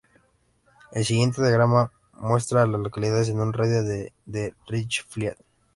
El siguiente diagrama muestra a las localidades en un radio de de Richfield.